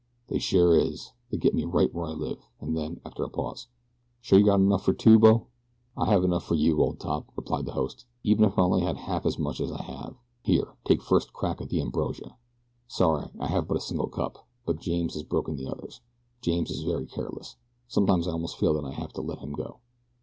"They sure is. They get me right where I live," and then, after a pause; "sure you got enough fer two, bo?" "I have enough for you, old top," replied the host, "even if I only had half as much as I have. Here, take first crack at the ambrosia. Sorry I have but a single cup; but James has broken the others. James is very careless. Sometimes I almost feel that I shall have to let him go."